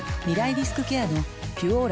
リスクケアの「ピュオーラ」